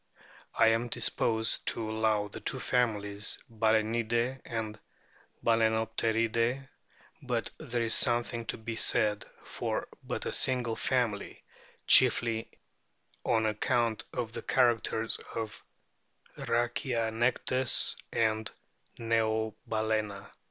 I am disposed to allow the two families Balsenidae and Balsenopteridae ; but there is something to be said for but a single family, chiefly on account of the characters of Rhachianectes and Neobalcena.